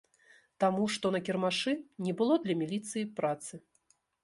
Таму, што на кірмашы не было для міліцыі працы!